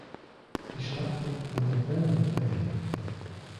Die Stadt liegt an der Belmont Bay.